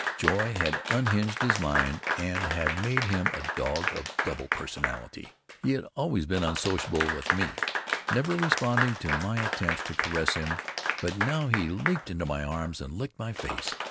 Joy had unhinged his mind and had made him a dog of double personality. He had always been unsocial with me, never responding to my attempts to caress him, but now he leaped into my arms and licked my face.